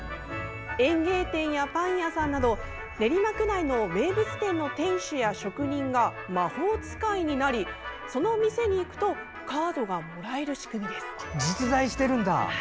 園芸店やパン屋さんなど練馬区内の名物店の店主や職人が魔法使いになりその店に行くとカードがもらえる仕組みです。